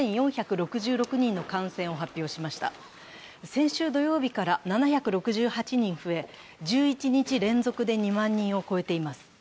先週土曜日から７６８人増え１１日連続で２万人を超えています。